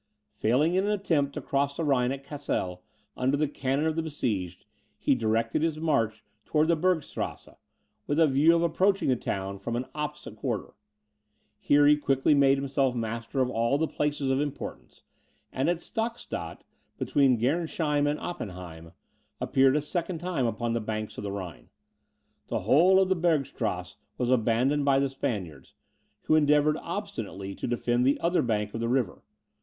Failing in an attempt to cross the Rhine at Cassel, under the cannon of the besieged, he directed his march towards the Bergstrasse, with a view of approaching the town from an opposite quarter. Here he quickly made himself master of all the places of importance, and at Stockstadt, between Gernsheim and Oppenheim, appeared a second time upon the banks of the Rhine. The whole of the Bergstrasse was abandoned by the Spaniards, who endeavoured obstinately to defend the other bank of the river.